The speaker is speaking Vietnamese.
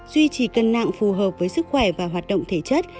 duy trì cân nặng phù hợp với sức khỏe và hoạt động thể chất